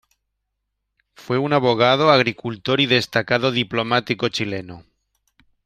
Fue un abogado, agricultor y destacado diplomático chileno.